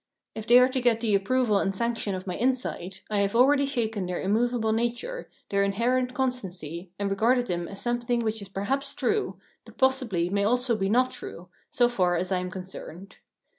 If they are to get the approval and sanction of my insight, I have already shaken their immovable nature, their inherent constancy, and regarded them as something * Sophocles, Antigone, 1. 456 7. 426 Phenomenology of Mind which is perhaps true, but possibly may also be not true, so far as I am concerned.